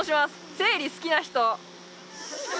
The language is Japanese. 生理好きな人？